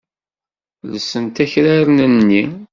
Llsent akraren-nni.